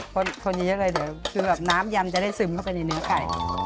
คนนี้เยอะเลยเดี๋ยวคือแบบน้ำยำจะได้ซึมเข้าไปในเนื้อไข่